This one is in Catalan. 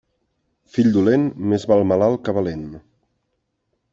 Fill dolent, val més malalt que valent.